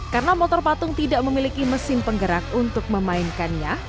karena motor patung tidak memiliki mesin penggerak untuk memainkannya